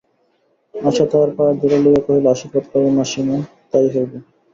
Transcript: আশা তাঁহার পায়ের ধূলা লইয়া কহিল, আশীর্বাদ করো মাসিমা, তাই হইবে।